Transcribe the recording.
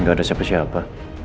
gak ada siapa siapa